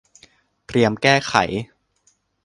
เตรียมแก้ไข